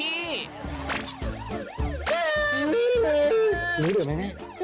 หรือเหรอแม่ง